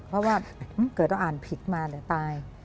เพราะว่าเกิดต้องอ่านผิดมาเดี๋ยวตาย